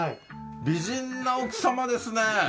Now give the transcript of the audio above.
美人な奥様ですね